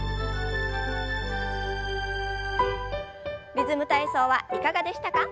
「リズム体操」はいかがでしたか？